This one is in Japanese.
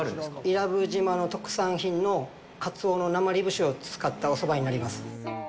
伊良部島の特産品のカツオのなまり節を使ったおそばになります。